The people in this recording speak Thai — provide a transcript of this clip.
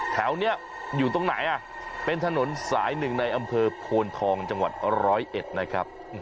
แถวนี้อยู่ตรงไหนเป็นถนนสายหนึ่งในอำเภอโพนทองจังหวัดร้อยเอ็ดนะครับ